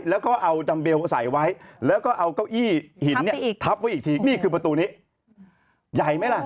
แล้วก็เอาดัมเบลใส่ไว้แล้วก็เอาเก้าอี้หินเนี่ยทับไว้อีกทีนี่คือประตูนี้ใหญ่ไหมล่ะ